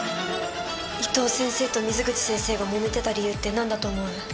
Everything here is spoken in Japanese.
伊藤先生と水口先生がもめてた理由って何だと思う？